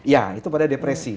ya itu pada depresi